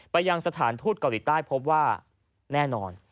ไปยังสถานทูตเกาหลีใต้พบว่าแน่นอน